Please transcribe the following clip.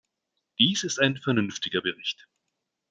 Dies ist ein vernünftiger Bericht.